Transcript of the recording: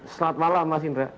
selamat malam mas indra